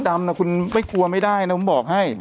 จำนะคุณไม่กลัวไม่ได้นะผมบอกให้